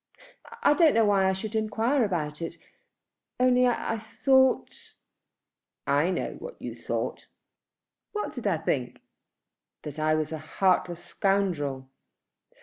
"I don't know why I should enquire about it, only I thought " "I know what you thought." "What did I think?" "That I was a heartless scoundrel."